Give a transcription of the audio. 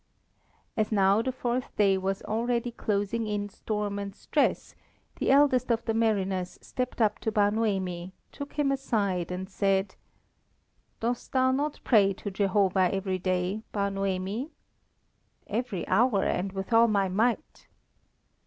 As now the fourth day was already closing in storm and stress, the eldest of the mariners stepped up to Bar Noemi, took him aside, and said "Dost thou not pray to Jehovah every day, Bar Noemi?" "Every hour and with all my might!"